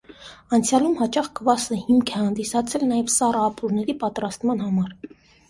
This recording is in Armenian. Անցյալում հաճախ կվասը հիմք է հանդիսացել նաև սառը ապուրների պատրաստման համար։